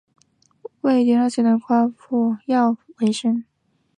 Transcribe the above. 位于港町里达鲁旦特与母亲以贩卖村落特产之花封药为生。